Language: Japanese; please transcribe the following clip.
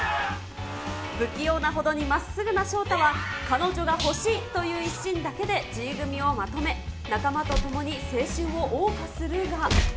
不器用なほどにまっすぐな勝太は、彼女が欲しいという一心だけでＧ組をまとめ、仲間と共に青春を謳歌するが。